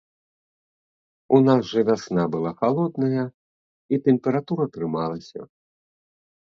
У нас жа вясна была халодная, і тэмпература трымалася.